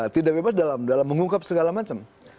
tidak bebas dalam mengungkap segala macam